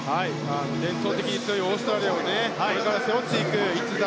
伝統的に強いオーストラリアをこれから背負っていく逸材。